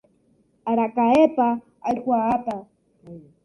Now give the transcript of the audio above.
Araka'épa aikuaáta.